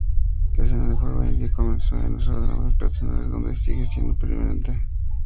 La escena del juego indie comenzó en los ordenadores personales, donde sigue siendo prominente.